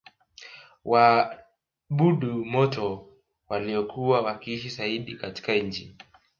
waabudu moto waliokuwa wakiishi zaidi katika nchi